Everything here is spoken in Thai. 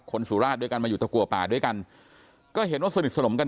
สุราชด้วยกันมาอยู่ตะกัวป่าด้วยกันก็เห็นว่าสนิทสนมกัน